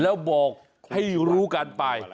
แล้วบอกให้รู้กันไป